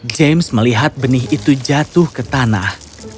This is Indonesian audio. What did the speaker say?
james melihat benih itu jatuh ke tanah